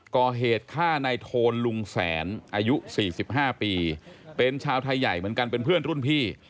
ก่อเหตุฆ่าในโทนลุงแสนอายุ๔๕ปีเป็นชาวไทยใหญ่เหมือนกันเป็นเพื่อนรุ่นพี่